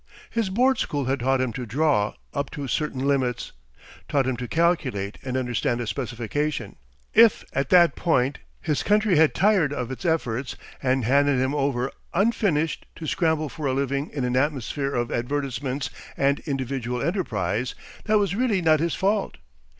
His board school had taught him to draw up to certain limits, taught him to calculate and understand a specification. If at that point his country had tired of its efforts, and handed him over unfinished to scramble for a living in an atmosphere of advertisments and individual enterprise, that was really not his fault.